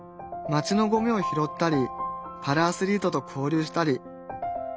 街のゴミを拾ったりパラアスリートと交流したり。